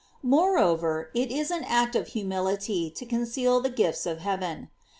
f X Moreover, it is an act of humility to conceal the gifts of heaven.